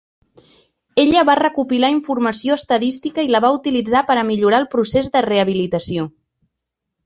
Ella va recopilar informació estadística i la va utilitzar per a millorar el procés de rehabilitació.